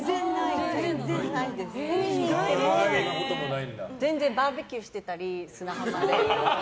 砂浜でバーベキューしてたり砂浜で。